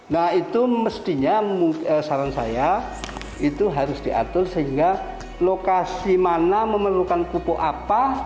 nah itu mestinya saran saya itu harus diatur sehingga lokasi mana memerlukan pupuk apa